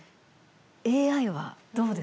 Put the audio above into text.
ＡＩはどうですか？